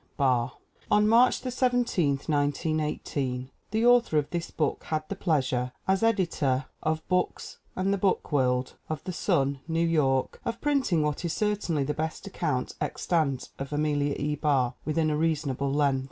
BARR ON March 17, 1918, the author of this book had the pleasure, as editor of Books and the Book World of The Sun, New York, of printing what is certainly the best account extant of Amelia E. Barr within a reasonable length.